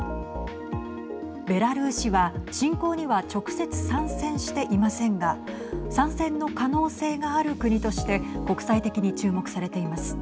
ベラルーシは侵攻には直接参戦していませんが参戦の可能性がある国として国際的に注目されています。